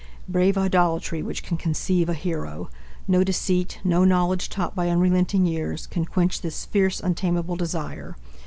Brave idolatry Which can conceive a hero! No deceit, No knowledge taught by unrelenting years, Can quench this fierce, untamable desire.